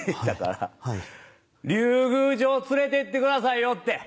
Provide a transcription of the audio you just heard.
だから、竜宮城連れていってくださいよって。